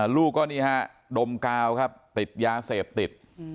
ลูกก็นี่ฮะดมกาวครับติดยาเสพติด